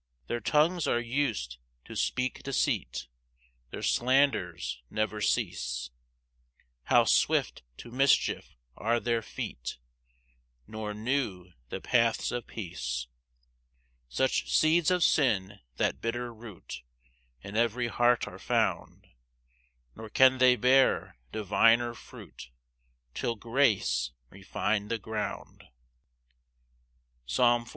5 Their tongues are us'd to speak deceit, Their slanders never cease; How swift to mischief are their feet, Nor knew the paths of peace. 6 Such seeds of sin (that bitter root) In every heart are found; Nor can they bear diviner fruit, Till grace refine the ground. Psalm 14:2.